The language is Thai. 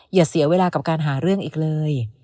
อย่าเสียเวลากับการหาเรื่องอีกเลย